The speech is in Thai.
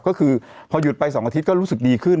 ก็คือพอหยุดไป๒อาทิตย์ก็รู้สึกดีขึ้น